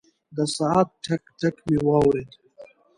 د ساعت ټک، ټک مې واورېد.